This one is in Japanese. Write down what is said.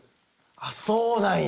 あっそうなんや。